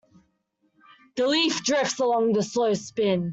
The leaf drifts along with a slow spin.